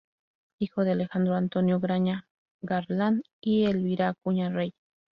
Hijo de Alejandro Antonio Graña Garland y Elvira Acuña Rey.